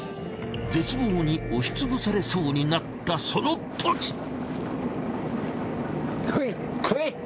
絶望に押しつぶされそうになったそのとき！